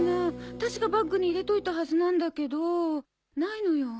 確かバッグに入れといたはずなんだけどないのよ。